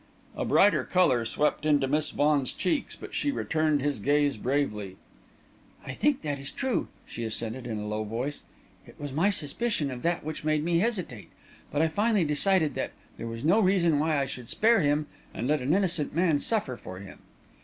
A brighter colour swept into Miss Vaughan's cheeks, but she returned his gaze bravely. "I think that is true," she assented, in a low voice. "It was my suspicion of that which made me hesitate but finally I decided that there was no reason why I should spare him and let an innocent man suffer for him."